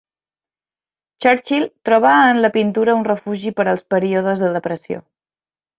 Churchill trobà en la pintura un refugi per als períodes de depressió.